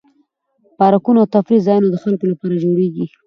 پارکونه او تفریح ځایونه د خلکو لپاره جوړیږي.